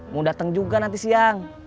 mau datang juga nanti siang